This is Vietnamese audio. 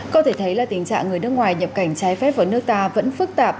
có thể thấy là tình trạng người nước ngoài nhập cảnh trái phép vào nước ta vẫn phức tạp